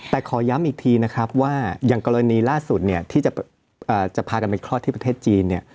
แต่ขอย้ำอีกทีนะครับว่าอย่างกรณีล่าสุดที่จะพากันไปคลอดที่ประเทศจีน